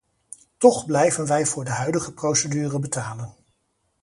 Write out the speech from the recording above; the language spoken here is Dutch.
Toch blijven wij voor de huidige procedure betalen.